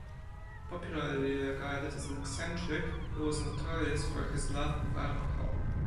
Popularly regarded as an eccentric, he was notorious for his love of alcohol.